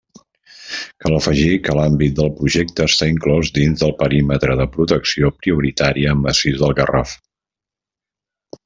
Cal afegir que l'àmbit del Projecte està inclòs dins del perímetre de protecció prioritària Massís del Garraf.